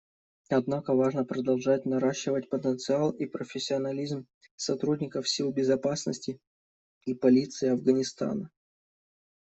Однако важно продолжать наращивать потенциал и профессионализм сотрудников сил безопасности и полиции Афганистана.